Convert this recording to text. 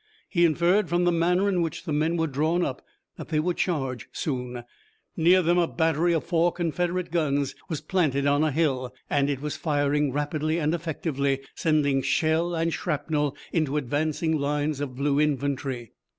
He inferred from the manner in which the men were drawn up that they would charge soon. Near them a battery of four Confederate guns was planted on a hill, and it was firing rapidly and effectively, sending shell and shrapnel into advancing lines of blue infantry.